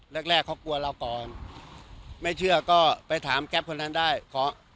แรกแรกเขากลัวเราก่อนไม่เชื่อก็ไปถามแก๊ปคนนั้นได้ขอ